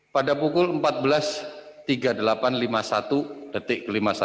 pada pukul empat belas tiga puluh delapan lima puluh satu detik lima puluh satu